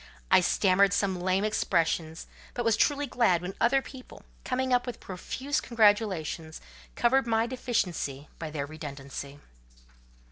I stammered some lame expressions; but was truly glad when other people, coming up with profuse congratulations, covered my deficiency by their redundancy.